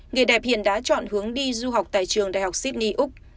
người đẹp hiện đã chọn hướng đi du học tại trường đại học sydney úc